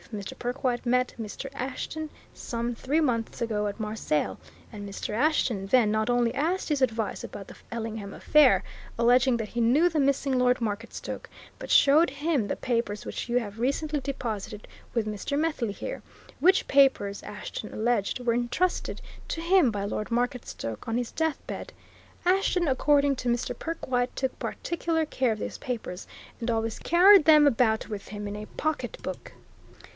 Mr. Perkwite met Mr. Ashton some three months ago at Marseilles, and Mr. Ashton then not only asked his advice about the Ellingham affair, alleging that he knew the missing Lord Marketstoke, but showed him the papers which you have recently deposited with Mr. Methley here which papers, Ashton alleged, were intrusted to him by Lord Marketstoke on his deathbed. Ashton, according to Mr. Perkwite, took particular care of these papers, and always carried them about with him in a pocketbook."